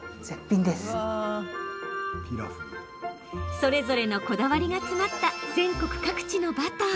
それぞれのこだわりが詰まった全国各地のバター。